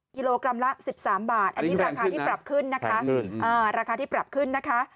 กิโลกรัมละ๑๓บาทอันนี้ราคาที่ปรับขึ้นนะคะ